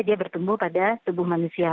dia bertumbuh pada tubuh manusia